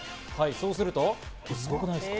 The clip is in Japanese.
そうするとすごくないですか？